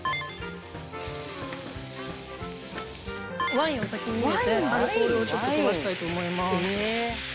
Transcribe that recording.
ワインを先に入れてアルコールをちょっと飛ばしたいと思います。